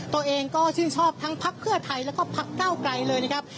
ตัวเองก็ชื่นชอบทั้งพักเพื่อไทยแล้วก็พักเก้าไกลเลยนะครับ